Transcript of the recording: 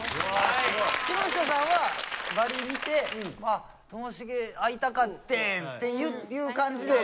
木下さんは貼り見て「あっともしげ会いたかってん」っていう感じで。